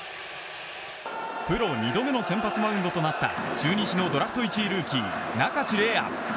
プロ２度目の先発マウンドとなった中日のドラフト１位ルーキー仲地礼亜。